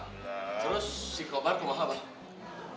terus si kobar kemah pak